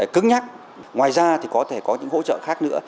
cứng nhắc ngoài ra thì có thể có những hỗ trợ khác nữa